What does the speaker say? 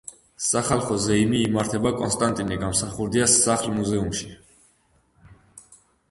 სახალხო ზეიმი იმართება კონსტანტინე გამსახურდიას სახლ-მუზეუმში.